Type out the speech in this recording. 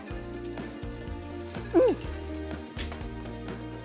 うん！